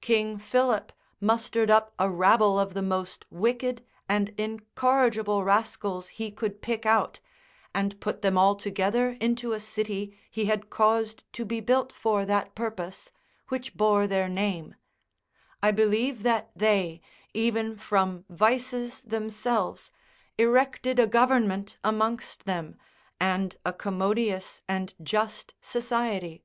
King Philip mustered up a rabble of the most wicked and incorrigible rascals he could pick out, and put them all together into a city he had caused to be built for that purpose, which bore their name: I believe that they, even from vices themselves, erected a government amongst them, and a commodious and just society.